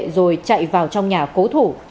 rồi chạy vào trong nhà cố thủ